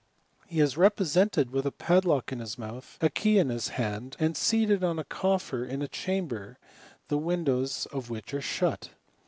Re is represented with a padlock in his mouth, a key ^ his hand, and seated on a coffer in a chamber, the windows of which are shut.